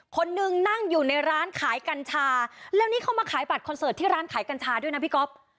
คนหนึ่งนั่งอยู่ในร้านขายกัญชาแล้วนี่เขามาขายบัตรคอนเสิร์ตที่ร้านขายกัญชาด้วยนะพี่ก๊อฟ